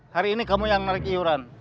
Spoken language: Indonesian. hari ini kamu yang naik iuran